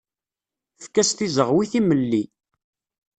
Efk-as tizeɣwi timelli.